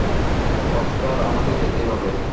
Oscar, আমাকে যেতেই হবে।